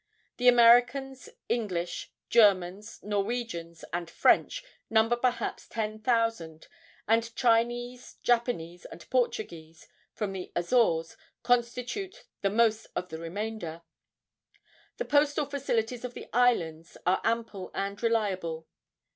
The Americans, English, Germans, Norwegians and French number perhaps ten thousand, and Chinese, Japanese and Portuguese from the Azores constitute the most of the remainder. The postal facilities of the islands are ample and reliable.